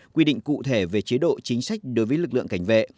quy định cụ thể về chế độ chính sách đối với lực lượng cảnh vệ